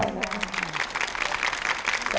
ขอบคุณมาก